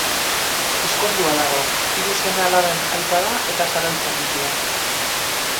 Ezkondua dago, hiru seme-alaben aita da, eta Zarautzen bizi da.